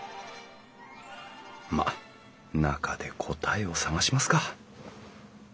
まあ中で答えを探しますか。